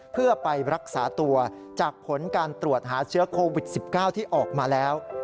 เพื่อไปรักษาตัวจากผลการตรวจหาเชื้อโควิด๑๙ที่ออกมาแล้ว